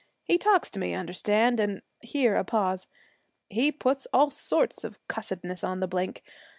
He talks to me, understand, and' here a pause 'he puts all sorts of cussedness on the blink.